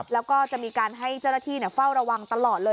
แล้วก็จะมีการให้เจ้าหน้าที่เฝ้าระวังตลอดเลย